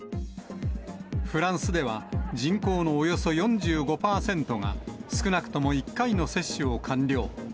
フランスでは人口のおよそ４５％が、少なくとも１回の接種を完了。